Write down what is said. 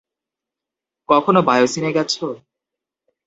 কখনো বায়োসিনে গেছো?